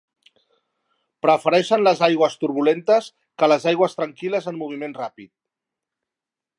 Prefereixen les aigües turbulentes que les aigües tranquil·les en moviment ràpid.